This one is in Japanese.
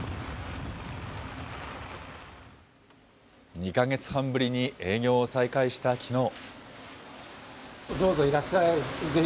２か月半ぶりに営業を再開したきのう。